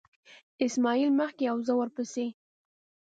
اسماعیل مخکې و او زه ورپسې.